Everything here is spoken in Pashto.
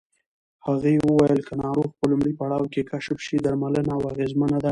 هغې وویل که ناروغي په لومړي پړاو کې کشف شي، درملنه اغېزمنه ده.